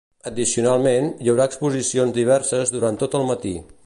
Addicionalment, hi haurà exposicions diverses durant tot el matí.